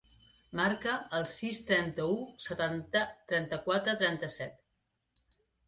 Marca el sis, trenta-u, setanta, trenta-quatre, trenta-set.